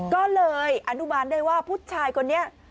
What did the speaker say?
ก็เลยอนุบาลได้ว่าผู้ชายคนนี้